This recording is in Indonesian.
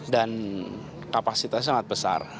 dan kapasitasnya sangat besar